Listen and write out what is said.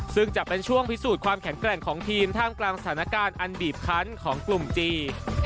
ซึ่งจะเป็นช่วงพิสูจน์ความแข็งแกร่งของทีมท่ามกลางสถานการณ์อันบีบคันของกลุ่มจีน